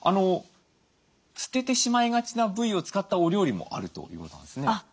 捨ててしまいがちな部位を使ったお料理もあるということなんですね。